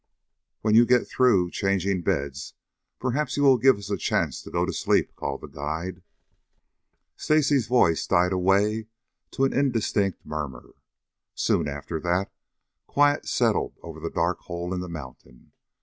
"When you get through changing beds perhaps you will give us a chance to go to sleep," called the guide. Stacy's voice died away to an indistinct murmur. Soon after that quiet settled over the dark hole in the mountain.